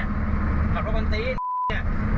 เขาบอกกันตีนเนี้ย